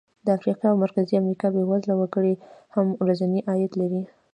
د افریقا او مرکزي امریکا بېوزله وګړي هم ورځنی عاید لري.